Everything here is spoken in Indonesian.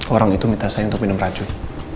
orang itu minta saya untuk minum racun